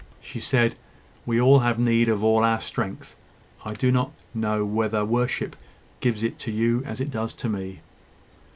She said: "We all have need of all our strength. I do not know whether worship gives it to you as it does to me.